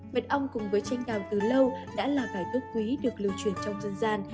mật ong cùng với chanh đào từ lâu đã là bài thuốc quý được lưu truyền trong dân gian